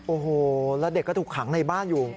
โอ้โหแล้วเด็กก็ถูกขังในบ้านอยู่